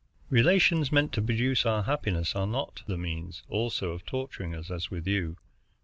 Relations meant to produce our happiness are not the means also of torturing us, as with you.